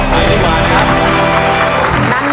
ใช้นะครับใช้ดีกว่านะครับ